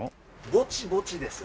ぼちぼちですね。